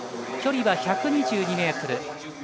距離は１２２ｍ。